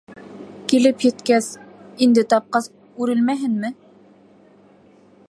Килеп еткәс, инде тапҡас үрелмәһенме?